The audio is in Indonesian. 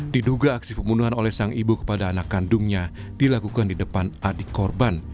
diduga aksi pembunuhan oleh sang ibu kepada anak kandungnya dilakukan di depan adik korban